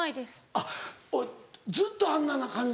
あっずっとあんな感じなの？